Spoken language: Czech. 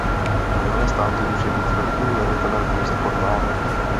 Hlava státu může být vrchním velitelem pouze formálně.